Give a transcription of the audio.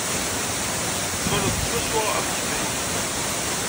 Tettbaneḍ-d swaswa am gma-k.